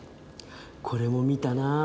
これも見たなあ